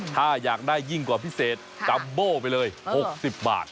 ถ้าอยากได้ยิ่งกว่าพิเศษจัมโบ้ไปเลย๖๐บาท